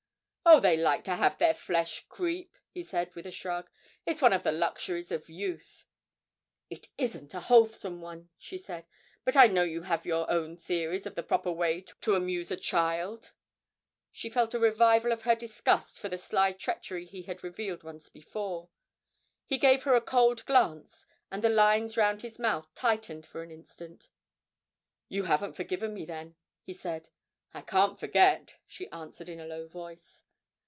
'Oh, they like to have their flesh creep,' he said with a shrug; 'it's one of the luxuries of youth.' 'It isn't a wholesome one,' said she; 'but I know you have your own theories of the proper way to amuse a child.' She felt a revival of her disgust for the sly treachery he had revealed once before. He gave her a cold keen glance, and the lines round his mouth tightened for an instant. 'You haven't forgiven me, then?' he said. 'I can't forget,' she answered in a low voice.